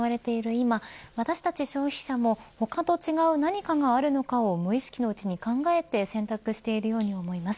今私たち消費者も他と違う何かがあるのかを無意識のうちに考えて選択しているように思います。